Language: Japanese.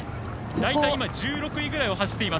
大体１６位ぐらいを走っています。